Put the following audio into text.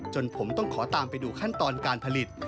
จนผมต้องขอตามไปดูขั้นตอนการผลิต